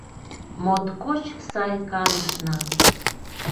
Моткоч сай канышна!